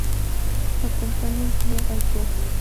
Acompaña y guía al Prof.